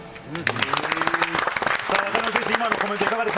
さあ、渡邊選手、今のコメン